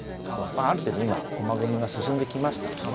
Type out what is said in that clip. ある程度今駒組みが進んできましたんでね。